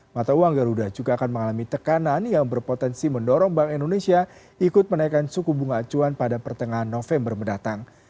mata uang garuda juga akan mengalami tekanan yang berpotensi mendorong bank indonesia ikut menaikkan suku bunga acuan pada pertengahan november mendatang